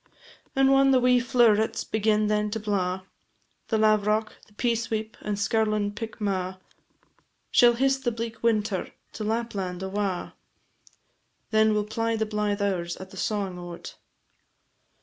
And whan the wee flow'rets begin then to blaw, The lavrock, the peasweep, and skirlin' pickmaw, Shall hiss the bleak winter to Lapland awa, Then we 'll ply the blythe hours at the sawin' o't.